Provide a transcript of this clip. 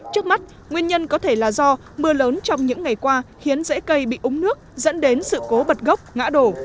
trước mắt nguyên nhân có thể là do mưa lớn trong những ngày qua khiến rễ cây bị úng nước dẫn đến sự cố bật gốc ngã đổ